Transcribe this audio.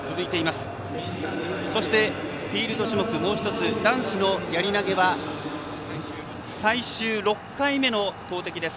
そしてフィールド種目もう１つ男子のやり投げは最終、６回目の投てきです。